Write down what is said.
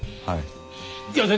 はい。